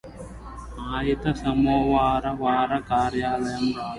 అయితే సోమవారం వారు కార్యలయానికి రాలేదు